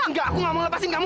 enggak aku gak mau lepasin kamu